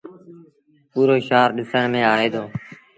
پورو شآهر ڏسڻ ميݩ آئي دو۔